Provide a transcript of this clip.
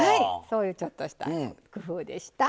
そういうちょっとした工夫でした。